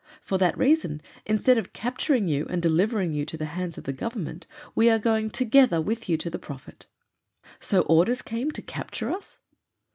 For that reason instead of capturing you and delivering you to the hands of the Government we are going together with you to the prophet." "So orders came to capture us?"